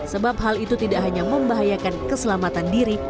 sebab hal itu tidak hanya membahayakan keselamatan diri